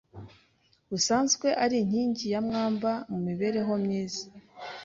busanzwe ari inkingi ya mwamba mu mibereho myiza